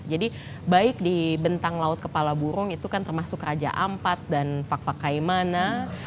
jadi baik di bentang laut kepala burung itu kan termasuk raja ampat dan fak fak kaimana